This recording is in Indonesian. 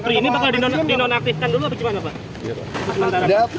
ini bakal dinonaktifkan dulu atau gimana pak